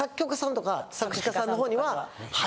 作詞家さんとかには。